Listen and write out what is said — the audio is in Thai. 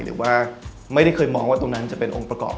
หรือว่าไม่ได้เคยมองว่าตรงนั้นจะเป็นองค์ประกอบ